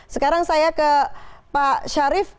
sekarang saya ke pak syarif